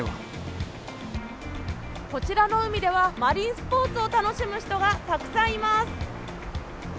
こちらの海では、マリンスポーツを楽しむ人がたくさんいます。